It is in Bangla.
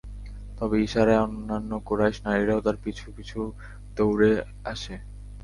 তার ইশারায় অন্যান্য কুরাইশ নারীরাও তার পিছু পিছু দৌড়ে আসে।